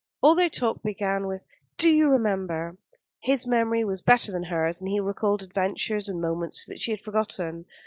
All their talk began with "Do you remember?" His memory was better than hers, and he recalled adventures and moments that she had forgotten.